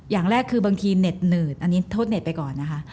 อย่างแรกคือบางทีเหน็ดหนืดอันนี้โทษเน็ตไปก่อนนะคะ